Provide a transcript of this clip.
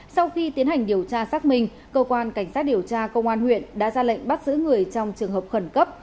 sau khi tiến hành điều tra xác minh cơ quan cảnh sát điều tra công an huyện đã ra lệnh bắt giữ người trong trường hợp khẩn cấp